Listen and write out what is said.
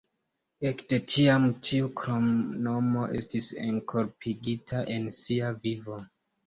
Ekde tiam tiu kromnomo estis enkorpigita en sia vivo.